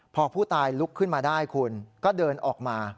พอผู้ตายลุกขึ้นมาได้คุณก็เดินออกมา